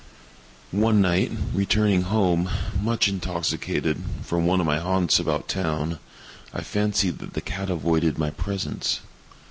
One night, returning home, much intoxicated, from one of my haunts about town, I fancied that the cat avoided my presence.